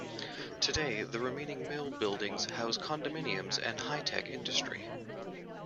Today, the remaining mill buildings house condominiums and high-tech industry.